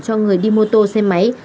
cho người đi mô tô xe máy